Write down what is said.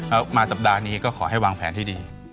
แล้วมาสัปดาห์นี้ก็ขอให้วางแผนที่ดี